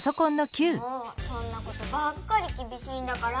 もうそんなことばっかりきびしいんだから。